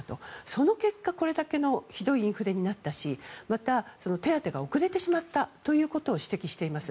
その結果、これだけのひどいインフレになったしまた、手当てが遅れてしまったということを指摘しています。